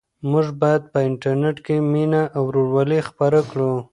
موږ باید په انټرنيټ کې مینه او ورورولي خپره کړو.